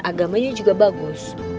agamanya juga bagus